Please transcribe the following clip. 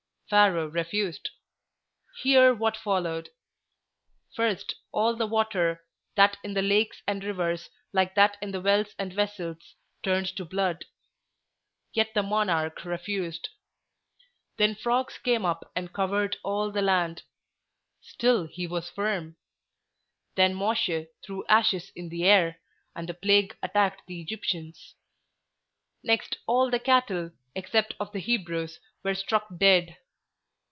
Pharaoh refused. Hear what followed. First, all the water, that in the lakes and rivers, like that in the wells and vessels, turned to blood. Yet the monarch refused. Then frogs came up and covered all the land. Still he was firm. Then Mosche threw ashes in the air, and a plague attacked the Egyptians. Next, all the cattle, except of the Hebrews, were struck dead.